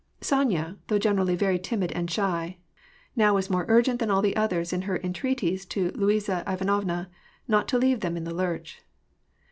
Sonya, though generally very timid and shy, now was more urgent than all the others in her entreaties to Luiza Ivanovna not to leave them in the lurch.